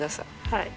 はい。